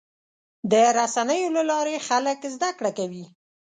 د رسنیو له لارې خلک زدهکړه کوي.